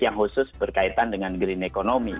yang khusus berkaitan dengan green economy